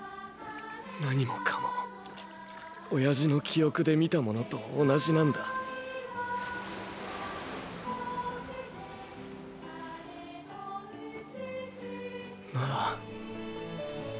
何もかも親父の記憶で見たものと同じなんだ。なぁ？